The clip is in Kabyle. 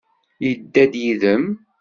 Yedda-d yid-m?